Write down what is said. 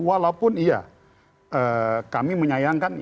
walaupun iya kami menyayangkan